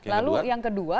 lalu yang kedua